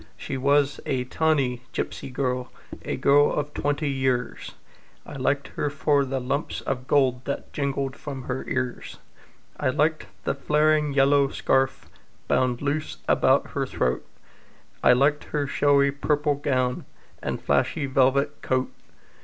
She was a tawny gipsy girl, A girl of twenty years, I liked her for the lumps of gold That jingled from her ears; I liked the flaring yellow scarf Bound loose around her throat, I liked her showy purple gown And flashy velvet coat.